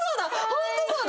ホントそうだ！